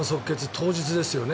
当日ですよね。